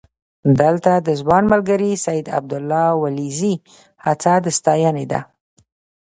دلته د ځوان ملګري سید عبدالله ولیزي هڅه د ستاینې ده.